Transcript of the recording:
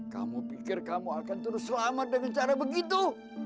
kamu pikir kamu akan terus selamat dengan cara begitu